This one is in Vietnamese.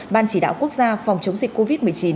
ban chỉ đạo quốc gia phòng chống dịch covid một mươi chín